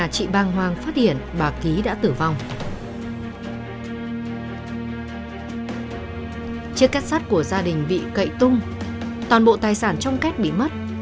chiếc két sắt của gia đình bị cậy tung toàn bộ tài sản trong két bị mất